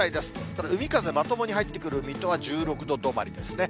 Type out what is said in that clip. ただ、海風、まともに入ってくる水戸は１６度止まりですね。